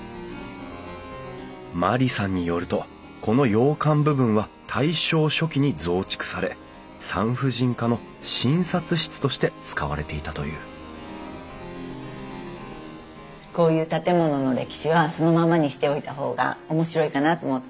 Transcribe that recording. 万里さんによるとこの洋館部分は大正初期に増築され産婦人科の診察室として使われていたというこういう建物の歴史はそのままにしておいた方がおもしろいかなと思って。